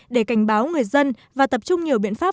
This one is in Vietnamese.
để cảnh báo người dân và tập trung nhiều biện pháp